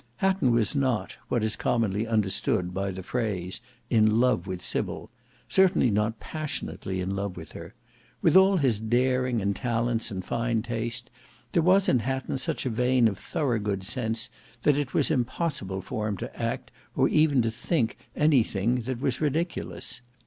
Hatton was not, what is commonly understood by the phrase, in love with Sybil: certainly not passionately in love with her. With all his daring and talents and fine taste, there was in Hatton such a vein of thorough good sense, that it was impossible for him to act or even to think anything that was ridiculous.